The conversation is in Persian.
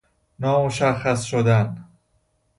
نامشخص شدن